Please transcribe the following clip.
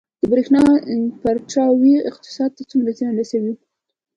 د بریښنا پرچاوي اقتصاد ته څومره زیان رسوي؟